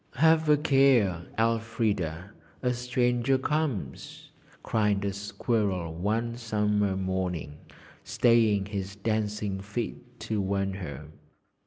'Have a care, Elfrida a stranger comes!' cried a squirrel one summer morning, staying his dancing feet to warn her.